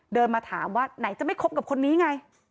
เดินมาถามว่าไหนจะไม่คบกับคนนี้ไง